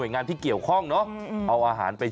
อ๋อนี่ไง